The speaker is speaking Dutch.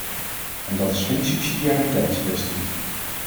En dat is geen subsidiariteitskwestie.